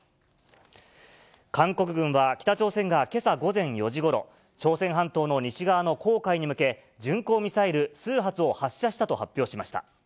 韓国軍は北朝鮮がけさ午前４時ごろ、朝鮮半島の西側の黄海に向け、巡航ミサイル数発を発射したと発表しました。